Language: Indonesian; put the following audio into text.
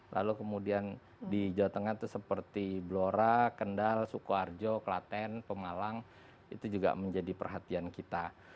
lalu kemudian di jawa tengah itu seperti blora kendal sukoharjo klaten pemalang itu juga menjadi perhatian kita